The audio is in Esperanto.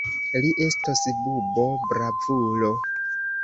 Li estos bubo-bravulo!